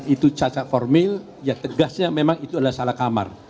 itu cacat formil ya tegasnya memang itu adalah salah kamar